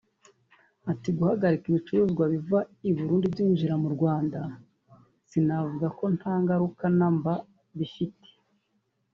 Ati “Guhagarika ibicuruzwa biva i Burundi byinjira mu Rwanda sinavuga ko nta ngaruka na mba bifite